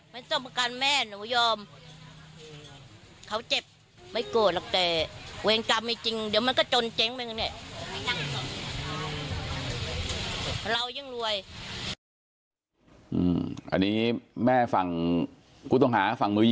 มันต้องประกันแม่หนูยอมเขาเจ็บไม่โกรธหรอกแต่